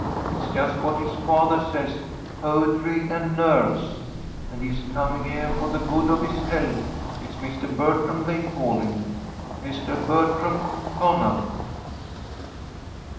It's just what his father says, poetry and nerves. And he's coming here for the good of his health. It's Mr. Bertram they call him, Mr. Bertram Connell."